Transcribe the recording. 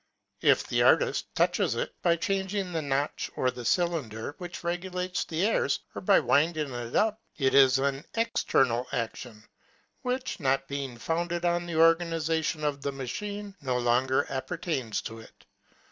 If the artift touches it, by chang ing the notch, or the cylinder, which regulates the airs, or by winding it up, it is an external action, which, not being founded on the organization of the machine, no longer appertains to it.